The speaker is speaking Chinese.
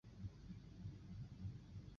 也将此类归类于岩黄蓍属。